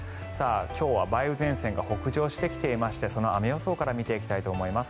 今日は梅雨前線が北上してきていましてその雨予想から見ていきたいと思います。